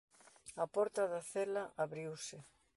A porta da cela abriuse.